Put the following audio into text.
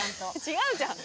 違うじゃん。